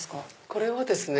これはですね